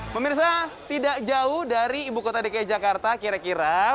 pemirsa tidak jauh dari ibu kota dki jakarta kira kira